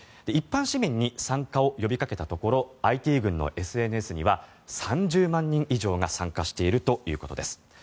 一般市民に参加を呼びかけたところＩＴ軍のＳＮＳには３０万人以上が参加しているということです。